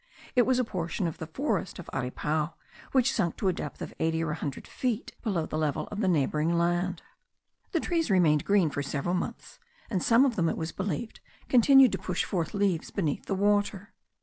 It was a portion of the forest of Aripao, which sunk to the depth of eighty or a hundred feet below the level of the neighbouring land. The trees remained green for several months; and some of them, it was believed, continued to push forth leaves beneath the water.